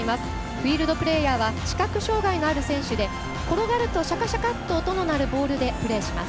フィールドプレーヤーは視覚障がいのある選手で転がるとシャカシャカと音の鳴るボールでプレーします。